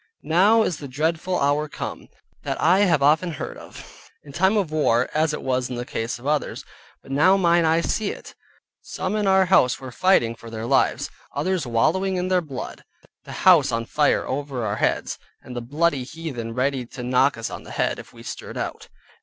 Now is the dreadful hour come, that I have often heard of (in time of war, as it was the case of others), but now mine eyes see it. Some in our house were fighting for their lives, others wallowing in their blood, the house on fire over our heads, and the bloody heathen ready to knock us on the head, if we stirred out.